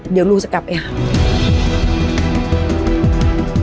เดี๋ยวลูกจะกลับไปฮะ